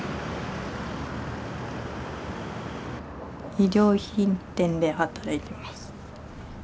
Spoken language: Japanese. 衣料品店で働いてます。